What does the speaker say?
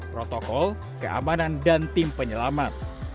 protokol keamanan dan tim penyelamat